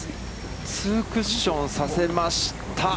ツークッションさせました。